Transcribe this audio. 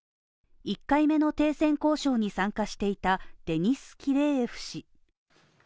１回目の停戦交渉に参加していたデニス・キレーエフ氏。